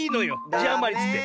じあまりっつって。